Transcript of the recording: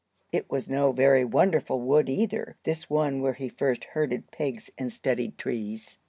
It was no very wonderful wood either, this one where he first herded pigs and studied trees.